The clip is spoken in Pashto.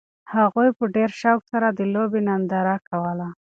هغوی په ډېر شوق سره د لوبې ننداره کوله.